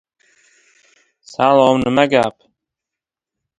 Уравнение в частных производных возмещает мелодический кризис легитимности.